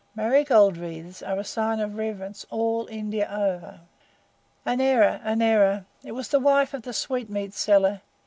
Marigold wreaths are a sign of reverence all India over. "An error an error. It was the wife of the sweetmeat seller.